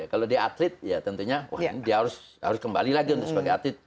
kalau dia atlet ya tentunya dia harus kembali lagi untuk sebagai atlet